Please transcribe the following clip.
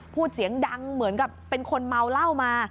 พูดเสียงดังเหมือนกับเป็นคนเมาเหล้ามา